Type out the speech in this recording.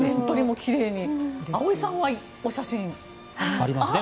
葵さんもお写真ありますね。